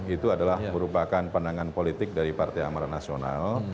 itu adalah merupakan pandangan politik dari partai amaran nasional